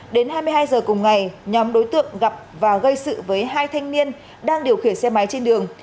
đến hai mươi hai h cùng ngày nhóm đối tượng gặp và gây sự với hai thanh niên đang điều khiển xe máy trên đường